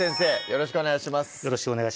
よろしくお願いします